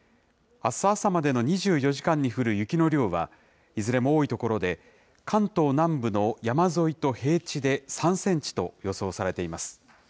あす朝までの２４時間に降る雪の量は、いずれも多い所で、関東南部の山沿いと平地で３センチと予想されています。